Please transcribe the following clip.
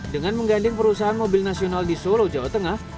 dengan mengganding perusahaan mobil nasional di solo jawa tengah